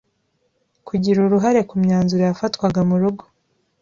kugira uruhare ku myanzuro yafatwaga mu rugo